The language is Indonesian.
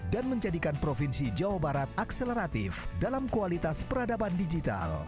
dan menjadikan provinsi jawa barat akseleratif dalam kualitas peradaban digital